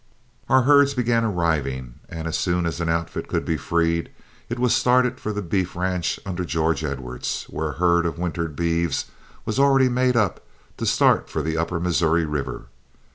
Our herds began arriving, and as soon as an outfit could be freed it was started for the beef ranch under George Edwards, where a herd of wintered beeves was already made up to start for the upper Missouri River.